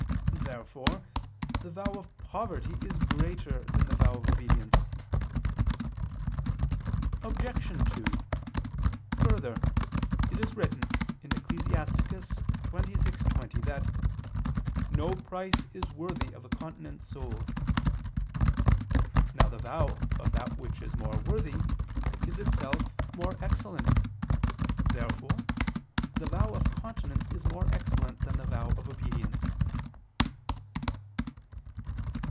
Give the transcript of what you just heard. Therefore the vow of poverty is greater than the vow of obedience. Obj. 2: Further, it is written (Ecclus. 26:20) that "no price is worthy of a continent soul." Now the vow of that which is more worthy is itself more excellent. Therefore the vow of continence is more excellent than the vow of obedience.